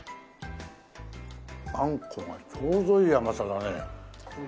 あんこがちょうどいい甘さだね。